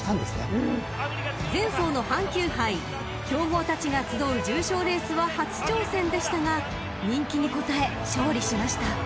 ［前走の阪急杯強豪たちが集う重賞レースは初挑戦でしたが人気に応え勝利しました］